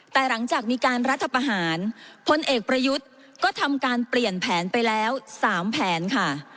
แต่หลังจากมีการรัฐประหารพลเอกประยุทธ์ก็ทำการเปลี่ยนแผนไปแล้ว๓แผนค่ะ